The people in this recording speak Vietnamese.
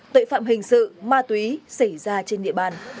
tội phạm hình sự ma túy xảy ra trên địa bàn